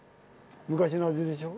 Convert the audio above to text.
昔の味でしょ？